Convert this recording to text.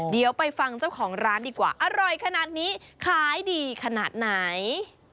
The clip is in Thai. เดี๋ยวไปฟังเจ้าของร้านดีกว่าอร่อยขนาดนี้ขายดีขนาดไหน